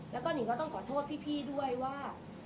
แล้วก็หนิงก็ต้องขอโทษพี่ด้วยว่า